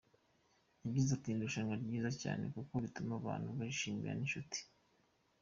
Yagize ati “Ni irushanwa ryiza cyane kuko rituma abantu bishimana n’inshuti.